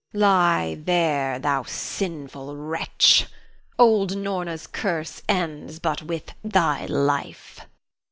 Lie there, thou sinful wretch! Old Norna's curse ends but with thy life.